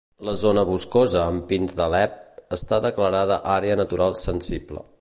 La zona boscosa, amb pins d'Alep, està declarada àrea natural sensible.